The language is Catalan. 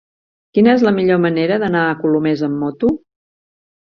Quina és la millor manera d'anar a Colomers amb moto?